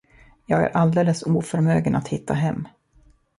Jag är alldeles oförmögen att hitta hem.